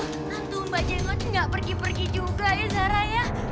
tentu mba jengot gak pergi pergi juga ya zara ya